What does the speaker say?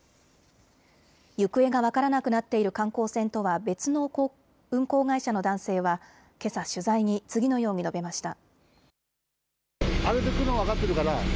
行方が分からなくなっている観光船とは別の運航会社の男性はけさ取材に次のように述べました。